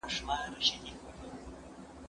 دوی چي ول ته به رانسي